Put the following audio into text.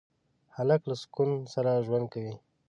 هلک له سکون سره ژوند کوي.